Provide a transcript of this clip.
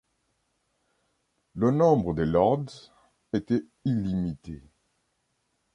Le nombre des lords était illimité.